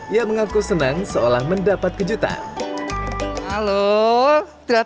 ia mengaku senang seolah mendapat kejutan